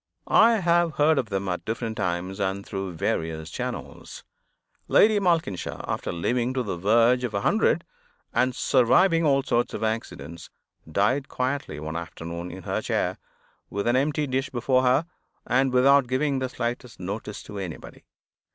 I have heard of them at different times and through various channels. Lady Malkinshaw, after living to the verge of a hundred, and surviving all sorts of accidents, died quietly one afternoon, in her chair, with an empty dish before her, and without giving the slightest notice to anybody.